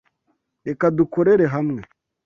Reka dukorere hamwe.